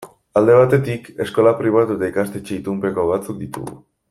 Alde batetik, eskola pribatu eta ikastetxe itunpeko batzuk ditugu.